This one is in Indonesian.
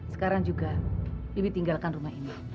sekarang juga iwi tinggalkan rumah ini